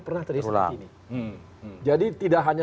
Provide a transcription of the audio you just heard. pernah terjadi seperti ini jadi tidak hanya